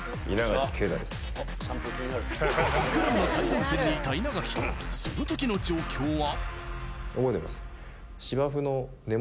スクラムの最前線にいた稲垣、そのときの状況は？